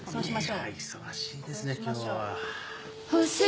いや忙しいですね今日は。